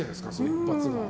一発が。